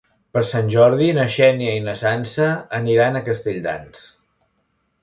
Per Sant Jordi na Xènia i na Sança aniran a Castelldans.